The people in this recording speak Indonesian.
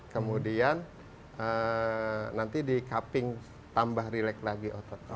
kemudian nanti dikapping tambah relax lagi ototnya